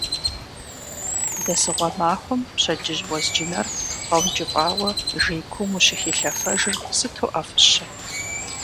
Дэсыгъуэ махуэм пщэдджыжь уэзджынэр бгъуэнкӏыфӏауэ жей куум ущыхилъафэжыр сыту ӏэфӏыщэ.